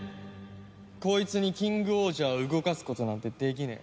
こいつにキングオージャーを動かすことなんてできねえ。